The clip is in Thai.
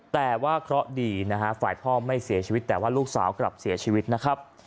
แต่ว่าเคราะห์ดีนะฮะฝ่ายพ่อไม่เสียชีวิตแต่ว่าลูกสาวกลับเสียชีวิตนะครับ